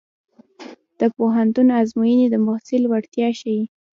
د پوهنتون ازموینې د محصل وړتیا ښيي.